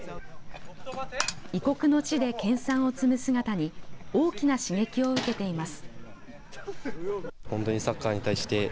異国の地で研さんを積む姿に、大きな刺激を受けています。